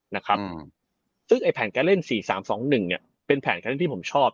นะครับอืมซึ่งไอ้แผนการเล่นสี่สามสองหนึ่งเนี้ยเป็นแผนการเล่นที่ผมชอบ